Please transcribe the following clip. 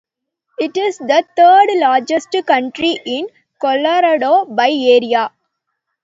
It is the third-largest county in Colorado by area.